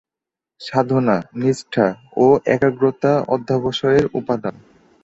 সাধনা, নিষ্ঠা ও একাগ্রতা অধ্যবসায়ের উপাদান।